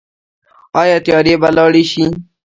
آیا تیارې به لاړې شي؟